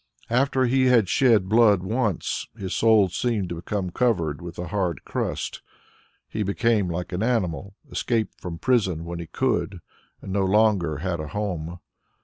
After he had shed blood once, his soul seemed to become covered with a hard crust. He became like an animal, escaped from prison when he could, and no longer had a home.